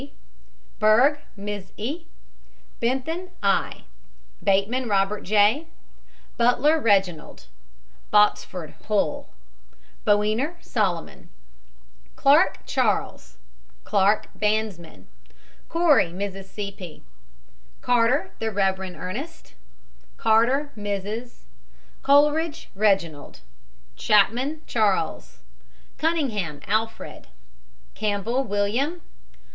J. BERG, MISS E. BENTHAN, I. BATEMAN, ROBERT J. BUTLER, REGINALD. BOTSFORD, HULL. BOWEENER, SOLOMON. BERRIMAN, WILLIAM. CLARKE, CHARLES. CLARK, bandsman. COREY, MRS. C. P. CARTER, THE REV. ERNEST. CARTER, MRS. COLERIDGE, REGINALD, CHAPMAN, CHARLES. CUNNINGHAM, ALFRED. CAMPBELL, WILLIAM.